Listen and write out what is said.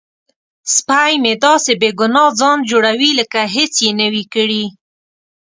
سپی مې داسې بې ګناه ځان جوړوي لکه هیڅ یې نه وي کړي.